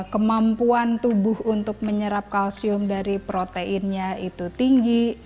kemampuan tubuh untuk menyerap kalsium dari proteinnya itu tinggi